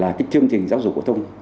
là cái chương trình giáo dục của tông